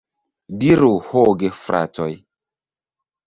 Diru, ho gefratoj!